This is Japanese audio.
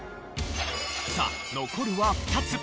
さあ残るは２つ。